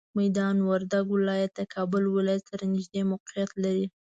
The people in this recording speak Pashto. میدان وردګ ولایت د کابل ولایت سره نږدې موقعیت لري.